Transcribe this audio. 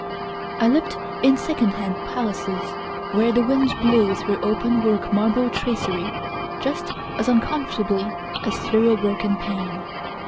I lived in second hand palaces where the wind blew through open work marble tracery just as uncomfortably as through a broken pane.